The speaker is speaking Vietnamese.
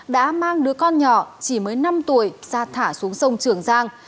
đã mang đứa con nhỏ chỉ mới năm tuổi xa thả xuống sông trường giang